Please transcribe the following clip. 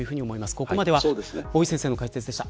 ここまでは大井先生の解説でした。